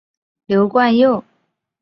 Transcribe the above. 刘冠佑。